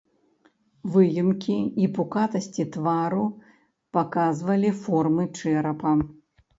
Выемкі і пукатасці твару паказвалі формы чэрапа.